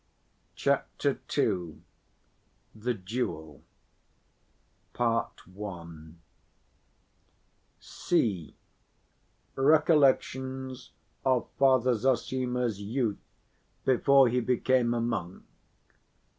Chapter II. The Duel _(c) Recollections of Father Zossima's Youth before he became a Monk.